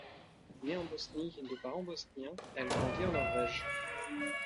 Née en Bosnie de parents bosniens, elle grandit en Norvège.